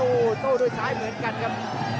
โอ้โหโต้ด้วยซ้ายเหมือนกันครับ